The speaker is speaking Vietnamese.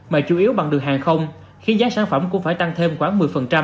mà chủ yếu bằng đường hàng không khiến giá sản phẩm cũng phải tăng thêm khoảng một mươi